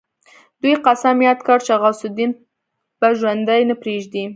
دوی قسم ياد کړ چې غوث الدين به ژوندی نه پريږدي.